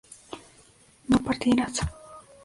no partieras